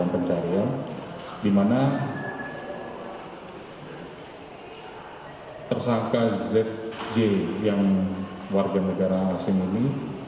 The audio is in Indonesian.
karena tersangka zj yang warga negara nahasim ini